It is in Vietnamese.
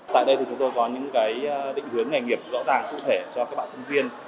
tại đây thì chúng tôi có những định hướng nghề nghiệp rõ ràng cụ thể cho các bạn